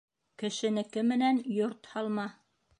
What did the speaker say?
Кешенеке менән йорт һалма.